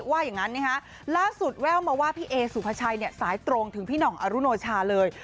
ว่าอย่างนั้นนะคะล่าสุดแว่วมาว่าพี่เอสุภาชัยสายตรงถึงพี่หน่องอรุโนชาเลย